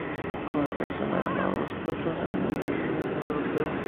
Con la selección ha ganado dos platas en un Mundial y en un Europeo.